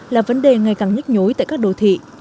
là vấn đề ngày càng nhức nhối tại các đô thị